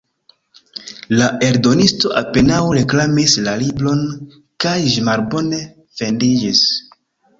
La eldonisto apenaŭ reklamis la libron, kaj ĝi malbone vendiĝis.